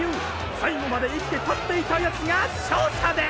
最後まで生きて立っていた奴が勝者です！